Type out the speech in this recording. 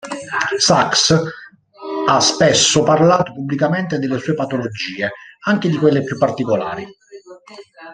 Sacks ha spesso parlato pubblicamente delle sue patologie, anche di quelle più particolari.